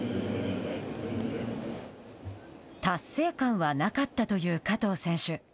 達成感はなかったという加藤選手。